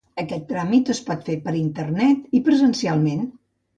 Aquest tràmit es pot fer per internet i presencialment.